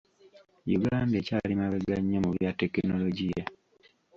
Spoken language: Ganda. Uganda ekyali mabega nnyo mu bya tekinologiya.